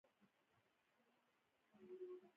دریمه پوهه د ستونزې لپاره ضروري وي.